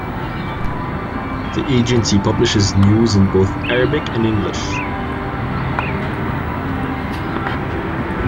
The Agency publishes news in both Arabic and English.